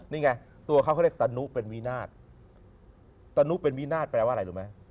นี่ไงตัวเขาเขาเรียกตะนุเป็นวินาทตะนุเป็นวินาศแปลว่าอะไรรู้ไหม